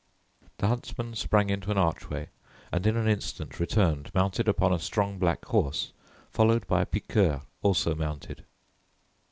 The huntsman sprang into an archway and in an instant returned, mounted upon a strong black horse, followed by a piqueur also mounted.